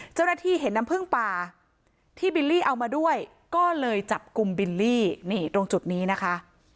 เจ้าหน้าที่เห็นน้ำผึ้งป่าที่บิลลี่เอามาด้วยก็เลยจับกลุ่มบิลลี่นี่ตรงจุดนี้นะคะ